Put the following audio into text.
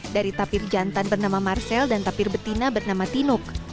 dari tapir jantan bernama marcel dan tapir betina bernama tinuk